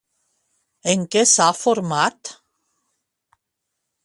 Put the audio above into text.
En què s'ha format?